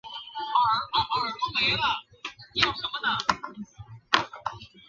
这一悲剧性的案例使得人们在接下来的几十年里对身体塑形的兴趣大减。